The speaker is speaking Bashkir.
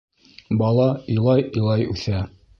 Бала илай-илай үҫә.